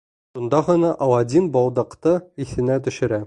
Шунда ғына Аладдин балдаҡты иҫенә төшөрә.